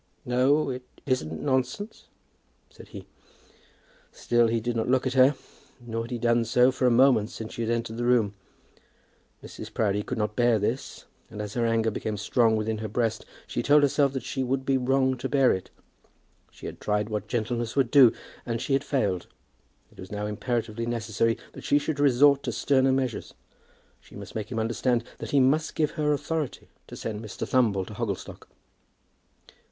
"No, it isn't nonsense," said he. Still he did not look at her, nor had he done so for a moment since she had entered the room. Mrs. Proudie could not bear this, and as her anger became strong within her breast, she told herself that she would be wrong to bear it. She had tried what gentleness would do, and she had failed. It was now imperatively necessary that she should resort to sterner measures. She must make him understand that he must give her authority to send Mr. Thumble to Hogglestock.